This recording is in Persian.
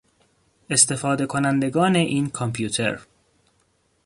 استفادهکنندگان این کامپیوتر